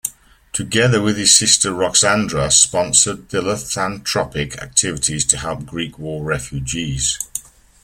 Together with his sister Roxandra sponsored philanthropic activities to help Greek war refugees.